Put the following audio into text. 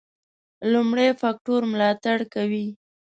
لومړي فکټور ملاتړ کوي.